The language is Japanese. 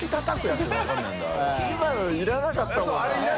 今のいらなかったもんな。